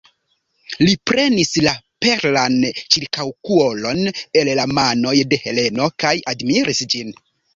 Li prenis la perlan ĉirkaŭkolon el la manoj de Heleno kaj admiris ĝin.